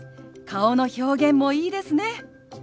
顔の表現もいいですね。